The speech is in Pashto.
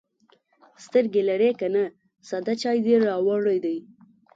_سترګې لرې که نه، ساده چای دې راوړی دی.